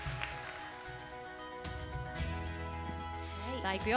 さあ行くよ